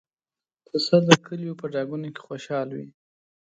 پسه د کلیو په ډاګونو کې خوشحال وي.